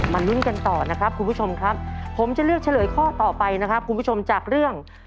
ลุ้นกันต่อนะครับคุณผู้ชมครับผมจะเลือกเฉลยข้อต่อไปนะครับคุณผู้ชมจากเรื่อง